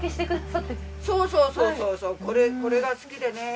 そうそうそうそうこれが好きでね。